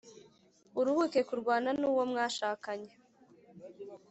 uruhuke kurwana nuwo mwashakanye